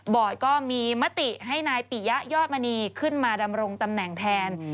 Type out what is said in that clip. ก็มีมติให้นายปิยะยอดมณีขึ้นมาดำรงตำแหน่งแทน